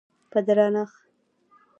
په درنښت